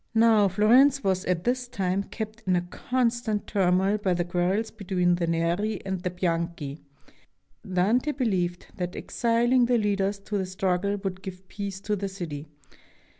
Now Florence was at this time kept in a constant turmoil by the quarrels between the Neri and the Bianchi. Dante beheved that exiling the leaders of the struggle would give peace to the city.